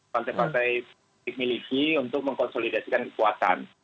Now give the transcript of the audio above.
praktik praktik miliki untuk mengkonsolidasikan kekuatan